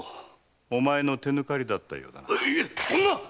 お前の手抜かりだったようだな。